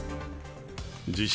自称